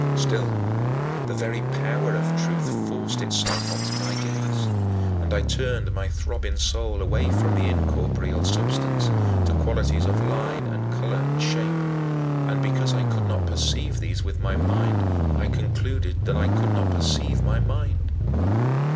Still, the very power of truth forced itself on my gaze, and I turned my throbbing soul away from incorporeal substance to qualities of line and color and shape, and, because I could not perceive these with my mind, I concluded that I could not perceive my mind.